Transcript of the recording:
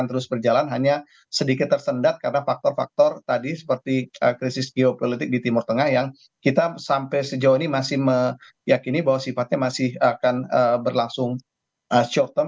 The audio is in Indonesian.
terus berjalan hanya sedikit tersendat karena faktor faktor tadi seperti krisis geopolitik di timur tengah yang kita sampai sejauh ini masih meyakini bahwa sifatnya masih akan berlangsung short term